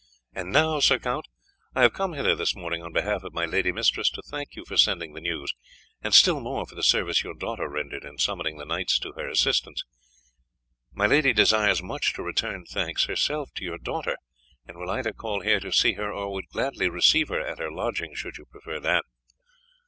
And now, Sir Count, I have come hither this morning on behalf of my lady mistress to thank you for sending the news, and still more for the service your daughter rendered in summoning the knights to her assistance. She desires much to return thanks herself to your daughter, and will either call here to see her or would gladly receive her at her lodging should you prefer that."